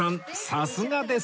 さすがです！